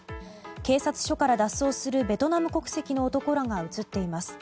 警察署から脱走するベトナム国籍の男らが映っています。